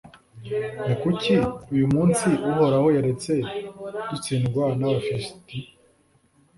ni kuki uyu munsi uhoraho yaretse dutsindwa n'abafilisiti